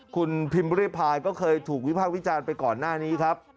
คุณพิมบริพายก็เคยถูกวิภาควิจารณ์ไปก่อนหน้านี้ครับ